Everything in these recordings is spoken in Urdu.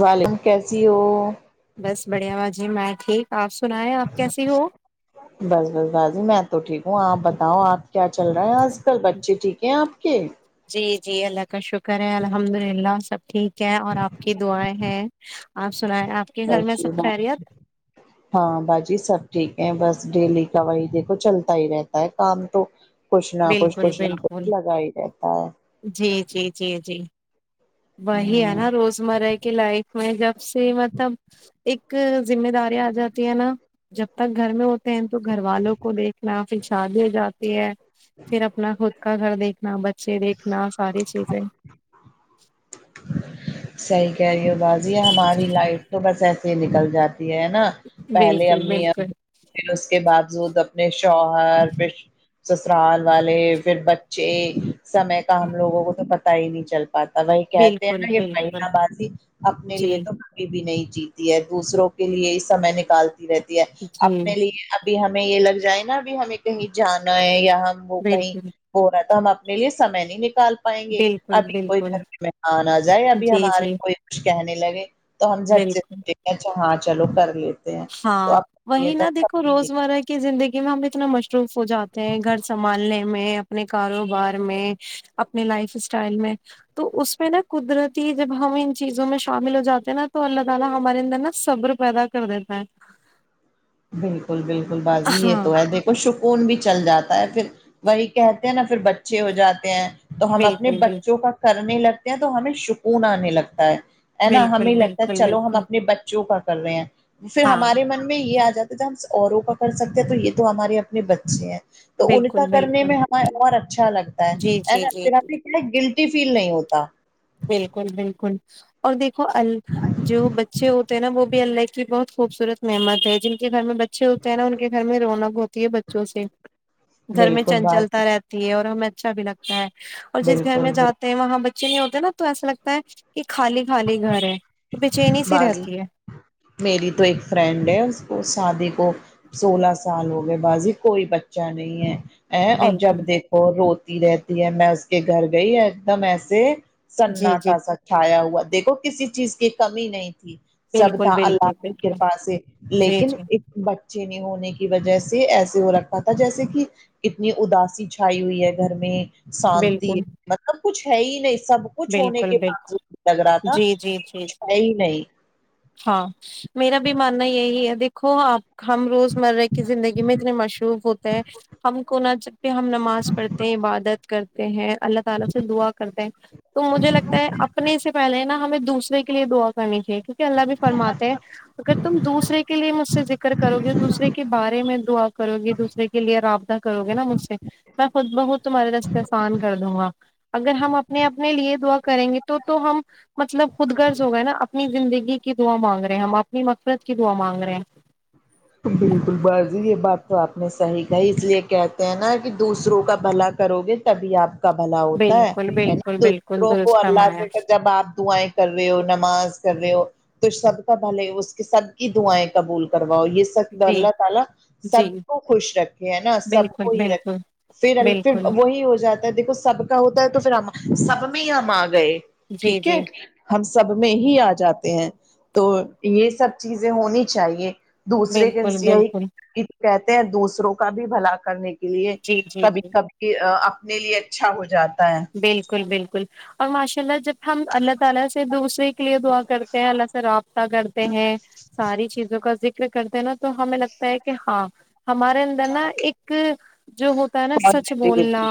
ظالم کیسی ہو [unintelligible] بس بڑھیا باجی میں ٹھیک آپ سنائیں آپ کیسی ہو بس بس باجی میں تو ٹھیک ہوں آپ بتاؤ آپ کیا چل رہا ہے آج کل بچے ٹھیک ہیں آپ کے جی جی اللہ کا شکر ہے الحمد للہ سب ٹھیک ہے اور آپ کی دعائیں ہیں آپ سنیں آپ کے گھر میں سب بس خیریت ہاں باجی سب ٹھیک ہے بس ڈیلی کا وہی دیکھو چلتا ہی رہتا ہے کام تو کچھ نہ کچھ بالکل کچھ نہ بالکل کچھ لگا ہی رہتا ہے جی جی جی جی وہی ہے نا روزمرہ کی لائف میں جب سے مطلب ایک ذمہ داری آ جاتی ہے نا جب تک گھر میں ہو تو گھر والوں کو دیکھنا پھر شادی جاتی ہے پھر اپنا خود کا گھر دیکھنا بچے دیکھنا ساری چیزیں صحیح کہہ رہی ہو باجی ہماری لائف تو بس ایسے ہی نکل جاتی ہے نا پہلے بالکل امی بالکل پھر اس کے باوجود اپنے شوہر پھر سسرال والے پھر بچے سمے کا ہم لوگوں کو تو پتا ہی نہیں چل پاتا وہی کہ بالکل نا یہ بالکل مہلا بازی اپنے جی لیے تو کوئی بھی نہیں جیتی ہے دوسروں کے لیے ہی سمے نکالتی رہتی ہے جی اپنے لیے ابھی ہمیں یہ لگ جائے نا اب ہمیں کہیں جانا ہے یا ہم وہ کہیں بالکل ہو رہا تو ہم اپنے لیے سمے نہیں نکال پائیں گے بالکل ابھی کوئی بالکل گھر میں آ نہ جائے ابھی جی ہمارے جی کوئی کچھ کہنے لگے تو ہم بالکل جٹے اچھا ہاں چلو کر لیتے ہیں تو ہاں آپ یہ وہی تو نہا سب دیکھو کی دیکھی، روزمرہ کی کی زندگی میں ہم اتنا مصروف ہو جاتے ہیں گھر سنبھالنے میں اپنے کاروبار میں اپنی لائف اسٹائل میں تو اس میں نا قدرتی جب ہم ان چیزوں میں شامل ہو جاتے ہے ان تو اللہ تعالی ہمارے اندر نا صبر پیدا کر دیتا ہے بالکل بالکل باجی یہ ہاں تو ہے دیکھ کھو سکون بھی چل جاتا ہے پھر وہی کہتے ہیں نا پھر بچے ہو جاتے ہیں تو ہم اپنے بالکل بال بچوں کا کرنے لگتے ہیں تو ہمیں سکون آنے لگتا ہے ہے نا ہمیں بالکل لگتا ہے بالکل چلو ہم بالکل اپنے بچوں کا کر رہے ہیں پھر ہاں ہمارے من میں یہ آ ج ہم اوروں کا کر سکتے ہیں تو یہ تو ہمارے اپنے بچے ہیں تو ان کا بالکل کرنے بالکل میں ہمیں اور اچھا لگتا جی ہے جی نا جی پھر جی ہم کیا ہے گل فیل نہیں ہوتا بالکل بالکل اور دیکھو ال جو بچے ہوتے ہیں نا وہ بھی اللہ کی بہت خوبصورت نعمت ہے جن کے گھر میں بچے ہوتے ہیں نا ان کے گھر میں رونق ہوتی ہے بچوں سے گھر میں بالکل بات چنچلتا رہتی ہے اور ہمیں اچھا بھی لگتا ہے اور جس گھر میں بالکل جات بالکل وہاں بچے نہیں ہوتے نا تو ایسا لگتا ہے کہ خالی خالی گھر ہے تو چینی سی بضی رہتی ہے میری تو ایک فرینڈ ہے اس کو شادی کو سولہ سال ہو گئے بازی کوئی بچہ نہیں ہے ا اور جب بالکل دیکھو روتی رہتی ہے میں اس کے گھر گئی ایک دم ایسے جی جی سناٹا سا چھایا ہوا دیکھو کسی چیز کی کمی نہیں تھی سب بالکل تھا اللہ بالکل کی بالکل کرپا سے جی لیکن جی بچے نہیں ہونے کی وجہ سے ایسے ہو رکھ پات تھا جیسے کہ کتنی اداسی چھائی ہوئی ہے گھر میں شانتی بالکل مطلب کچھ ہے ہی نہیں سب کچھ ہونے بالکل کے بالکل باجود لگ رہا تھا جی جی جی کچھ جی ہے ہی نہیں ہاں میرا بھی ماننا یہی ہے دیکھو آپ ہم روزمرہ کی زندگی میں اتنے مشروب ہوتے ہیں ہم کو نہ جب پہ ہم نماز پڑھتے ہیں عبادت کرتے ہیں اللہ تعالی سے دعا کرتے ہیں تو مجھے لگتا ہے اپنے سے پہلے نا ہمیں دوسرے کے لیے دعا کرنی چاہے کیونکہ اللہ بھی فرماتے ہیں اگر تم دوسرے کے لیے مجھ سے ذکر کرو گے دوسرے کے بارے میں دعا کرو گی دوسرے کے لیے رابطہ کرو گے نا مجھ سے میں خود بہت تمہارے راستے اسان کر دوں گا اگر ہم اپنے اپنے لیے دعا کریں گے تو تو ہم مطلب خود گرض ہوگا نا اپنی زندگی کی دعا مانگ رہے ہم اپنی مقصد کی دعا مانگ رہے ہیں بالکل بازی یہ بات تو آپ نے صحیح کہی اس لیے کہتے ہیں نا کہ دوسروں کا بھلا کرو گے تبھی آپ کا بھلا ہوتا ہے بالکل بالکل بالکل دسوروں کو درست اللہ فرمایا سے جب آپ دعیں کر رہے ہو نماز کر رہے ہو تو سب کا بھلے اس کے سب کی دعائیں قبول کرواؤ یہ جی اللہ تعالی جی سب کو خوش رکھے ہے نا سب بالکل کو ہی رکھ بالکل پھر پھر بالکل وہی ہو جاتا دیکھو سب کا ہوتا ہے تو پھر ہم سب میں ہی ہم آ گئے جی ٹھیک ہے جی ہم سب میں ہی آ جاتے ہیں تو یہ سب چیزیں ہونی چاہیے دوسرے کے بالکل بالکل یہی کہتے ہیں دوسروں کا بھی بھلا کرنے کے لیے جی جی کبھی جی کبھی کہ اپنے لیے اچھا ہو جاتا ہے بالکل بالکل اور ماشاء اللہ جب ہم اللہ تعالی سے دوسرے کے لیے دعا کرتے ہیں اللہ سے رابطہ کرتے ہیں ساری چیزوں کا ذکر کرتے ہیں نا تو تو ہمیں لگتا ہے کہ ہاں ہمارے اندر نا ایک جو ہوتا ہے نا سچ بولنا پازیٹیوٹی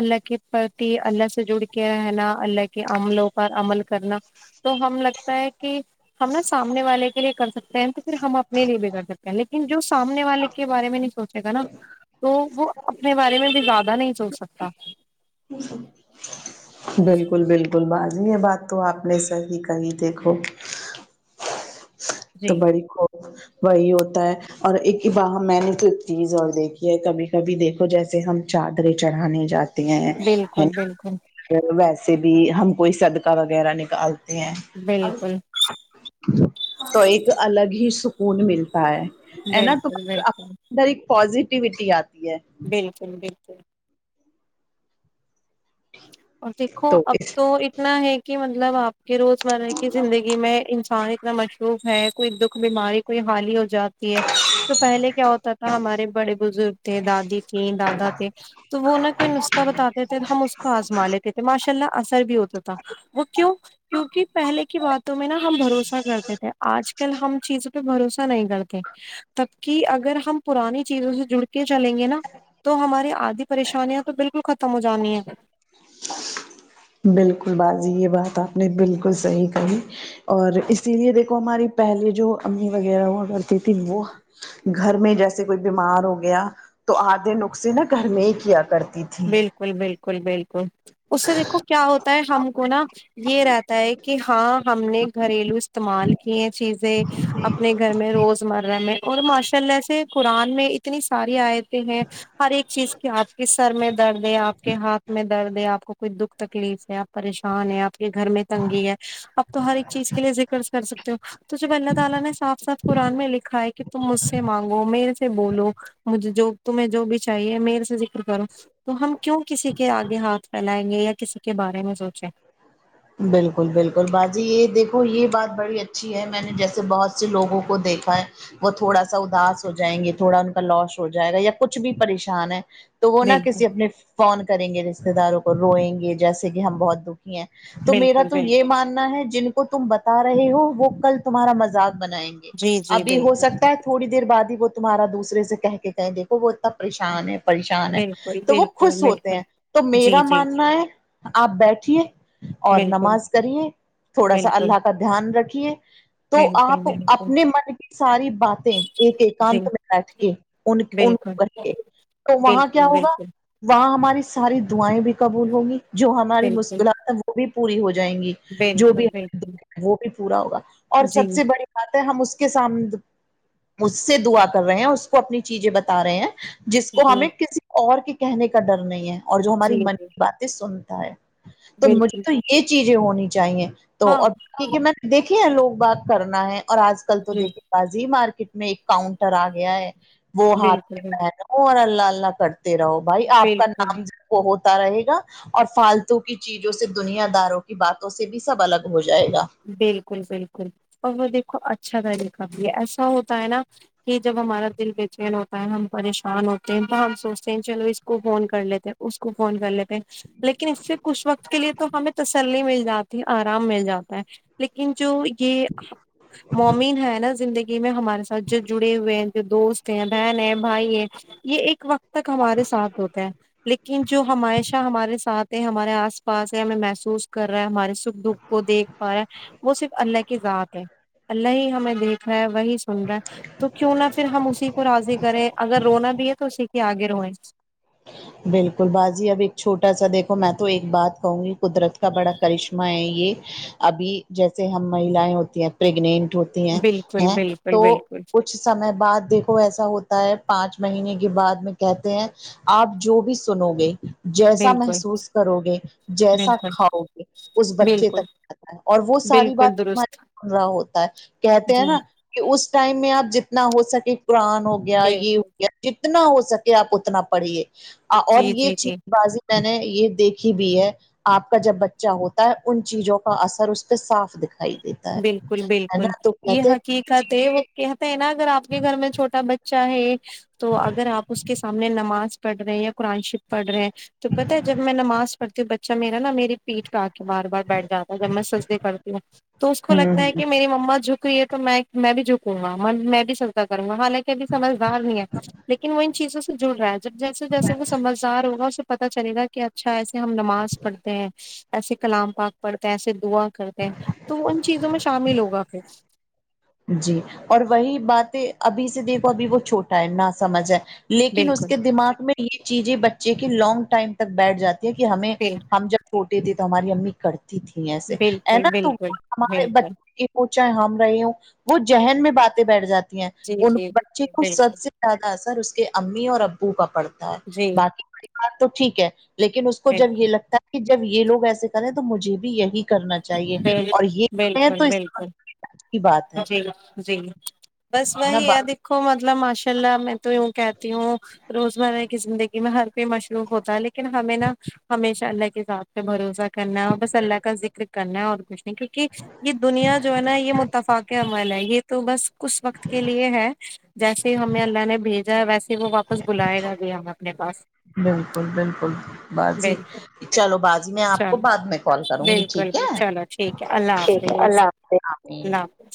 اللہ کے پرتی اللہ سے جڑ کے رہنا اللہ کے عملوں پر عمل کرنا تو ہم لگتا ہے کہ ہم نا سامنے والے کے لیے کر سکتے ہیں تو پھر ہم اپنے لیے بھی کر سکتے ہیں لیکن جو سامنے والے کے بارے میں نہیں سوچے گا نا تو وہ اپنے بارے میں بھی زیادہ نہیں سوچ سکتا [unintelligible] بالکل بالکل بازی یہ بات تو آپ نے صحی کہی دیکھو تو جی بڑی خوب وہی ہوتا ہے اور ایک واہ میں نے تو ایک چیز اور دیکھی ہے کبھی کبھی دیکھو جیسے ہم چادریں چڑھانے جاتے تی ہیں ہیں بالکل بالکل ہا ویسے بھی ہم کوئی صدقہ وغیرہ نکالتے ہیں بالکل تو ایک الگ ہی سکون ملتا ہے ہے نا تو بالکل بالکل اندر ایک پزیٹ ٹیوٹی آتی ہے بالکل بالکل اور دیکھو اب تو اتنا ہے کہ مطلب آپ کے روز مرہ کہ زندگی میں انسان اتنا مصروف ہے کوئی دکھ بیماری کوئی حالی ہو جاتی ہے تو پہلے کیا ہوتا تھا ہمارے بڑے بزرگ تھے دادی تھی دادا تھے تو وہ نہ کوئی نسخہ بتاتے تھے تو ہم اس کو آزما لیتے تھے ماشاء اللہ اثر بھی ہوتا تھا وہ کیو کیونکہ پہلے کی باتوں میں نا ہم بھروسہ کرتے تھے آج کل ہم چیزوں پہ بھروسہ نہیں کرتے تبکے اگر ہم پرانی چیزوں سے جڑ چلیں گے نا تو ہماری آدھی پریشانیاں تو بالکل ختم ہو جانی ہے بالکل باجی یہ بات آپ نے بالکل صحیح کہی اور اسی لیے دیکھو ہماری پہلیے جو امی وغیرہ ہوا کرتی تھی وہ گھر میں جیسے کوئی بیمار ہو گیا تو آدھے نسخے نا گھر میں ہی کیا کرتی تھی بالکل بالکل بالکل اس سے دیکھو کیا ہوتا ہے ہم کو نا یہ رہتا ہے ایک کہ ہاں ہم نے گھریلو استعمال کیے چیزیں اپنے گھر میں روزمرہ میں اور ماشاء اللہ سے قرآن میں اتنی ساری آئےتیں ہیں ہر ایک چیز کی آج کے سر میں درد ہے آپ کے ہاتھ میں درد ہے آ کوئی دکھ تکلیف ہے آ پریشان ہے آپ کے گھر میں تنگی ہے آپ تو ہر ایک چیز کے لیے ذکر کر سکتے ہو تو جب اللہ تعالی نے صاف صاتف قرآن میں لکھا ہے کہ تم مجھ سے مانگو میرے سے سے بولو مجھے جو تمہیں جو بھی چاہیے میرے سے ذکر کروں تو ہم کیوں کسی کے آگے ہاتھ پھیلائیں گے یا کسی کے بارے میں سوچیں بالکل بالکل باجی یہ دیکھو یہ بات بڑی اچھی ہے میں نے جیسے بہت سے لوگوں کو دیکھا ہے وہ تھوڑا سا اداس ہو جائیں گے تھوڑا ان کا لاس ہو جائے گا یا کچھ بھی پریشان ہے تو وہ نہ بالکل کسی اپنے فون کریں گے رشتے داروں کو روئیں گے جیسے کہ ہم بہت دکھی ہیں تو میرا بالکل تو یہ بالکل ماننا ہے جن کو تم بتا رہے ہو وہ کل تمہارا مذاق بنائیں گے جی جی ابھی ہو بالکل سکتا ہے تھوڑی دیر بعد ہی وہ تمہارا دوسرے سے کہہ کے کہیں دیکھو وہ اتنا پریشان ہے پریشان ہے بالکل تو وہ بالکل خوش ہوتے بالکل ہیں تو میرا جی جی ماننا ہے آپ بیٹھیے اور بالکل نماز کریے تھوڑا سا بالکل اللہ کا دھیان رکھیے تو بالکل آپ بالکل اپنے من کی ساری باتیں ایک جی ایکانت میں بیٹھ کے ان ان بالکل کو بیھ کے بالکل تو وہاں کیا ہوگا بالکل [unintelligible] وہاں ہماری ساری دعائیں بھی قبول ہوں گی جو ہماری بالکل مشکلات ہیں وہ بھی پوری ہو جائیں گی جو بھی بالکل بالکل دیک وہ بھی پورا ہوگا اور جی سب سے بڑی ہم اس کے سامنے اس سے دعا کر رہے ہیں اس کو اپنی چیزیں بتا رہے ہیں جس کو جی ہمیں کسی اور کے کہنے کا ڈر نہیں ہے اور جو ہماری جی من جی کی باتیں سنتا ہے تو مجھے بالکل تو یہ چیزیں ہونی چاہیے تو ہاں اور کیکہ میں دیکھیے لوگ بات کرنا ہے اور آج کل تو جی دیکھے باجی مارکیٹ میں ایک کاؤنٹر آ گیا ہے وہ ہاتھ پے بالکل پر اور اللہ اللہ کرتے رہو بھائی آپ کا بالکل نام وہ ہوتا رہے گا اور فالتو کی چیزوں دنیا داروں کی باتوں سے بھی سب الگ ہو جائے گا بالکل بالکل اور وہ دیکھو اچھا طریقہ بھی ہے ایسا ہوتا ہے نا کہ جب ہمارا دل بے چین ہوتا ہے ہم پریشان ہوتے ہیں تو ہم سوچتے ہیں چلو اس کو فون کر لیتے اس کو فون کر لیتے لیکن اس سے کچھ وقت کے لیے تو ہمیں تسلی مل جاتی آرام مل جاتی لیکن جو یہ مومن ہے نا زندگی میں ہمارے س جو جڑے ہوئے ہیں جو دوست ہیں بہن ہیں بھائی ہیں یہ ایک وقت تک ہمارے ساتھ ہوتا ہے لیکن جو ہمیشہ ہمارے ساتھ ہے ہمارے آس پاس ہے ہمیں محسوس کر رہا ہے ہمارے سکھ دکھ کو دیکھ پا ہے وہ صرف اللہ کی ذات ہے اللہ ہی ہمیں دیکھ رہا ہے وہی سن رہا ہے تو کیوں نہ پھر ہم اسی کو راضی کریں اگر رونا بھی ہے تو اسی کے آگے روئ بالکل بازی اب ایک چھوٹا سا دیکھو میں تو ایک بات کہوں گی قدرت کا بڑا کرشمہ ہے یہ ابھی جیسے ہم مہیائیں ہوتی ہیں پریگنٹ ہوتی ہیں بالکل ہیں بالکل تو بالکل کچھ کچھ سمے بعد دیکھو ایسا ہوتا ہے پانچ مہینے کے بعد میں کہتے ہیں آپ جو بھی سنو گے جیسا بالکل محسوس کرو گے جیسا بالکل کھاؤ گے اس بچے بالکل تک اور وہ ساری بات بالکل درست ہمارے سن رہا ہوتا ہے کہتے ہیں جی نا کہ اس ٹائم میں آپ جتنا ہو سکے قرآن ہو گیا یہ بالکل جتنا ہو سکے آپ اتنا پڑھیے اور جی یہ جی جی چیز بازی میں نے یہ دیکھی بھی ہے آپ کا جب بچہ ہوتا ہے ان چیزوں کا اثر اس پہ صاف دکھائی دے بالکل بالکل یہ یہ حقیقت ہے وہ کہتے ہے نا اگر آپ کے گھر میں چھوٹا بچہ ہے تو اگر آپ اس کے سامنے نماز پڑ رہے ہیں یا قرآن شریف پڑھ رہے ہیں تو پتا ہے جب میں نماز پڑتی ہوں بچہ میرا نا میری پیٹ پ آتا بار بار بیٹھ جاتا ہے جب میں سجدے کرتی ہوں تو اس کو لگتا ہے چیزیں کہ میرے مما جھکی ہے تو میں میں بھی جھکوں گا میں بھی س کیا کرونگا حالانکہ سمجدار نہیں ہے لیکن وہ ان چیزوں سے جڑ رہا ہے جب جیسے جیسے وہ سمجھدار ہوگا اسے پتا چلے گا کہ اچھا ایسے ہم نماز پڑھتے ہیں ایسے کلام پاک پڑھتے ہیں ایسے دعا کرتے ہیں تو ان چیزوں میں شامل ہوگا پھر جی اور وہی باتیں ابھی سے دیکھو ابھی وہ چھوٹا ہے نہ سمجھ ہے لیکن اس بالکل کے دماغ میں یہ چیزیں بچے کی لانگ ٹائم تک بیٹھ جاتی ہے کہ ہمیں بل ہم جب چھوٹے تھے تو ہماری امی کرتی تھی ایسے ہے بالکل نا تم بالکل ہمارے بالکل بچے سوچا ہے ہم رہے وہ ذہن میں باتیں بیٹھ جاتی ہیں جی ان جی بچے کو سب بالکل سے زیادہ اثر اس کے امی اور ابو کا پڑتا ہے جی باقی پریوار تو ٹھیک ہے لیکن اس کو جب بالکل یہ لگتا ہے کہ جب یہ لوگ ایسے کریں تو مجھے بھی یہی کرنا چاہیے بل- اور یہ تو بالکل اس بالکل اچھی بات ہے جی جی بس نہ وہی د کو مطلب ماشاء اللہ میں تو یوں کہتی ہوں روزمرہ کی زندگی میں ہر کوئی مصروف ہوتا ہے لیکن ہمیں نا ہمیشہ اللہ کے ساتھ سے بھروسہ کرنا ہے اور بس اللہ کا ذکر کرنا ہے اور کچھ نہیں کیونکہ یہ دنیا جو ہے نا یہ تفاق عمل ہے یہ تو بس اس وقت کے لیے ہے جیسے ہی ہمیں اللہ نے بھیجا ہے ویسے پھر وہ واپس بلائے گا بھی ہم اپنے پاس بالکل بالکل باجی بالکل چلو باجی میں آپ کو چلو بعد میں کال کروں گی ٹھیک بالکل ہے چلو ٹھیک ہے اللہ ٹھیک ہے حافظ اللہ حافظ اللہ امین حافظ